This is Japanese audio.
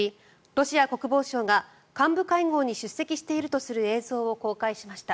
ロシア国防省が幹部会合に出席しているとする映像を公開しました。